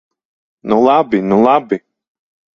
Nu labi, nu labi!